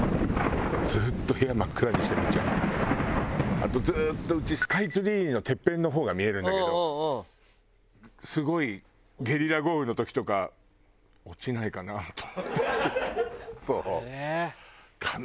あとずっとうちスカイツリーのてっぺんの方が見えるんだけどすごいゲリラ豪雨の時とか落ちないかなと思ってずっと。